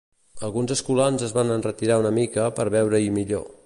Alguns escolans es van enretirar una mica per veure-hi millor.